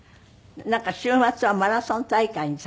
なんか週末はマラソン大会に参加する。